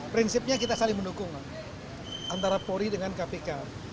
prinsipnya kita saling mendukung antara polri dengan kpk